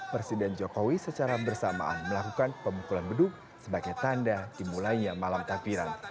presiden jokowi secara bersamaan melakukan pemukulan beduk sebagai tanda dimulainya malam takbiran